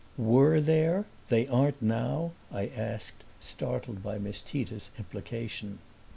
"WERE there they aren't now?" I asked, startled by Miss Tita's implication.